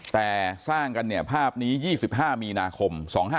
แต่สร้างกันเนี่ยภาพนี้๒๕มีนาคม๒๕๕๙